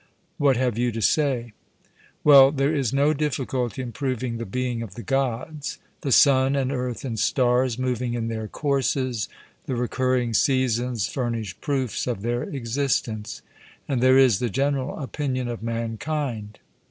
What have you to say? 'Well, there is no difficulty in proving the being of the Gods. The sun, and earth, and stars, moving in their courses, the recurring seasons, furnish proofs of their existence; and there is the general opinion of mankind.'